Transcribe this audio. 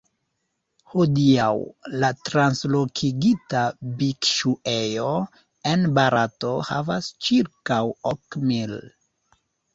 Hodiaŭ, la translokigita bikŝuejo en Barato havas ĉirkaŭ ok mil.